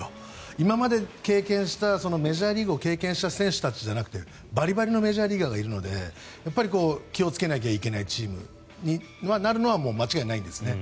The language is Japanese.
今までメジャーリーグを経験した選手たちじゃなくてばりばりのメジャーリーガーがいるのでやっぱり気をつけないきゃいけないチームになるのは間違いないですね。